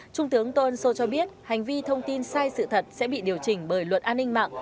trung tướng tôn sô cho biết hành vi thông tin sai sự thật sẽ bị điều chỉnh bởi luật an ninh mạng